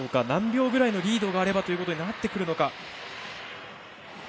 何秒ぐらいのリードがあればということになってくるのか。